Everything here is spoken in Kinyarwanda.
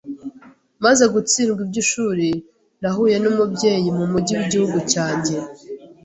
Maze gutsindwa iby’ishuri, nahuye n’umubyeyi mu mugi w’igihugu cyanjye